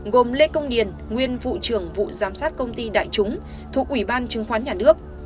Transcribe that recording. gồm lê công điền nguyên vụ trưởng vụ giám sát công ty đại chúng thuộc ủy ban chứng khoán nhà nước